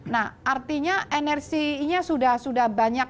nah artinya energinya sudah banyak